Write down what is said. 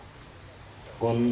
こんな。